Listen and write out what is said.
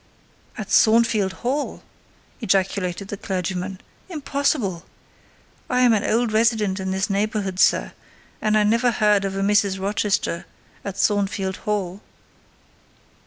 "At Thornfield Hall!" ejaculated the clergyman. "Impossible! I am an old resident in this neighbourhood, sir, and I never heard of a Mrs. Rochester at Thornfield Hall."